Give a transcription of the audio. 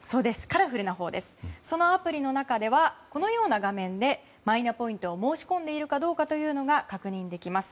そのアプリの中ではこのような画面でマイナポイントを申し込んでいるかどうかが確認できます。